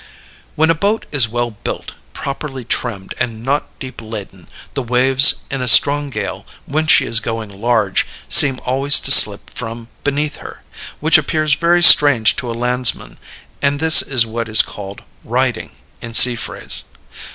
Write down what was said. "When a boat is well built, properly trimmed, and not deep laden, the waves in a strong gale, when she is going large, seem always to slip from beneath her which appears very strange to a landsman; and this is what is called riding, in sea phrase.